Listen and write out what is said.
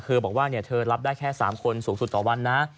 บอกว่าเธอรับได้แค่๓คนสูงสุดต่อวันนะ